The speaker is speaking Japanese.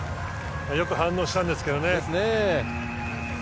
よく反応したんですけどね。